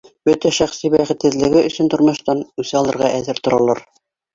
Бөтә шәхси бәхетһеҙлеге өсөн тормоштан үс алырға әҙер торалар